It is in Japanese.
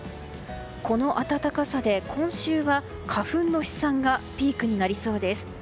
この暖かさで今週は、花粉の飛散がピークになりそうです。